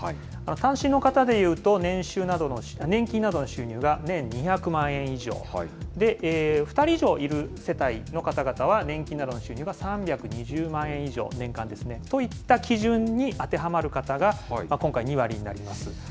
単身の方でいうと、年金などの収入が年２００万円以上、２人以上いる世帯の方々は年金などの収入が３２０万円以上、年間ですね、といった基準に当てはまる方が、今回、２割になります。